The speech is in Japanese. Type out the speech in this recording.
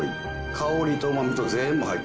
香りとうまみと全部入ってくるから。